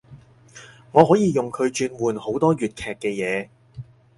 我可以用佢轉換好多粵劇嘅嘢